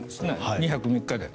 ２泊３日で。